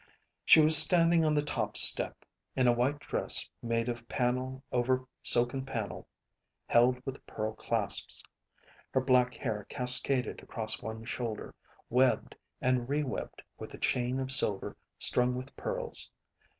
She was standing on the top step, in a white dress made of panel over silken panel, held with pearl clasps. Her black hair cascaded across one shoulder, webbed and re webbed with a chain of silver strung with pearls.